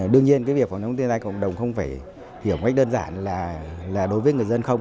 đương nhiên việc phòng chống thiên tai của cộng đồng không phải hiểu cách đơn giản là đối với người dân không